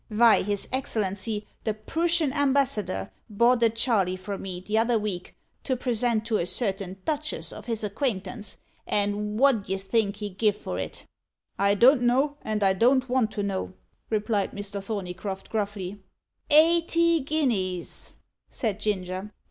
Vy, his Excellency the Prooshan Ambassador bought a Charley from me, t'other week, to present to a certain duchess of his acquaintance, and wot d'ye think he give for it?" "I don't know, and I don't want to know," replied Mr. Thorneycroft gruffly. "Eighty guineas," said Ginger.